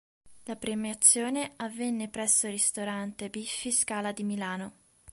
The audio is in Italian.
La premiazione avvenne presso il ristorante Biffi Scala di Milano.